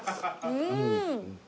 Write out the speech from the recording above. うん！